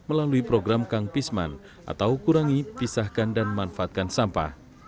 melalui program kang pisman atau kurangi pisahkan dan manfaatkan sampah